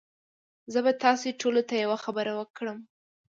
زه به تاسي ټوله ته یوه خبره وکړم